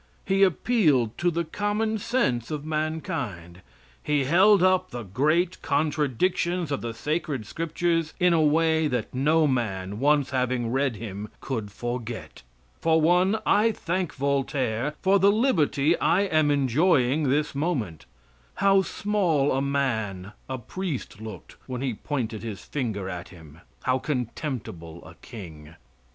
He appealed to the common sense of mankind he held up the great contradictions of the sacred scriptures in a way that no man, once having read him, could forget. For one, I thank Voltaire for the liberty I am enjoying this moment. How small a man a priest looked when he pointed his finger at him; how contemptible a king.